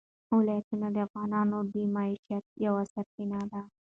ولایتونه د افغانانو د معیشت یوه سرچینه ده.